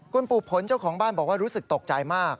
คุณปู่ผลเจ้าของบ้านบอกว่ารู้สึกตกใจมาก